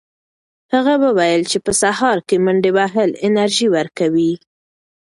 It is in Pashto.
هغه وویل چې په سهار کې منډې وهل انرژي ورکوي.